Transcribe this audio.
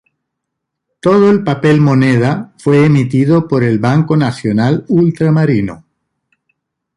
Todo el papel moneda fue emitido por el Banco Nacional Ultramarino.